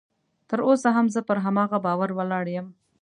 تر اوسه هم زه پر هماغه باور ولاړ یم